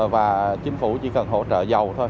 và chính phủ chỉ cần hỗ trợ giàu thôi